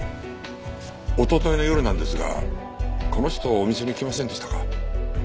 おとといの夜なんですがこの人お店に来ませんでしたか？